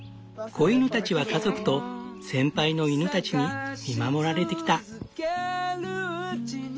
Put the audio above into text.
子犬たちは家族と先輩の犬たちに見守られてきた。